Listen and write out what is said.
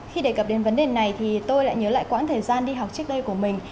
khi đề cập đến vấn đề này thì tôi lại nhớ lại quãng thời gian đi học trước đây của mình